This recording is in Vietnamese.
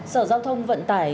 sở giao thông vận tải